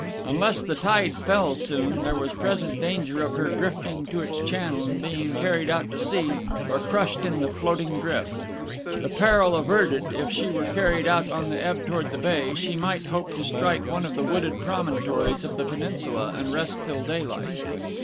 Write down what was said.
Unless the tide fell soon, there was present danger of her drifting to its channel, and being carried out to sea or crushed in the floating drift. That peril averted, if she were carried out on the ebb toward the bay, she might hope to strike one of the wooded promontories of the peninsula, and rest till daylight.